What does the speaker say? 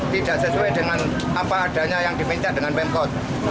tidak sesuai dengan apa adanya yang diminta dengan pemkot